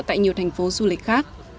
tại nhiều thành phố du lịch khác